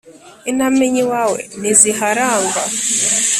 Intamenya iwawe ntiziharangwa